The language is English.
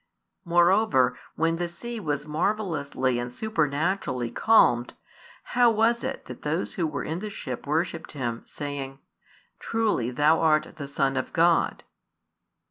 Moreover, when the sea was marvellously and supernaturally calmed, how was it that those who were in the ship worshipped Him, saying: Truly Thou art the Son of God?